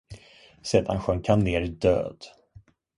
Sedan sjönk han ner död.